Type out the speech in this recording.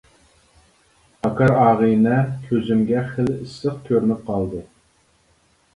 پاكار ئاغىنە كۆزۈمگە خېلى ئىسسىق كۆرۈنۈپ قالدى.